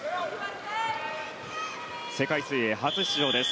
世界水泳初出場です。